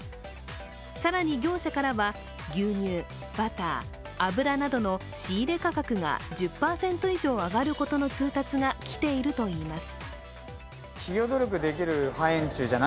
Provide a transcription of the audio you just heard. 更に業者からは、牛乳、バター油などの仕入れ価格が１０％以上、上がることの通達が来ているといいます。